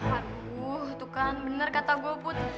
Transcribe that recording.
aduh tuh kan bener kata gue put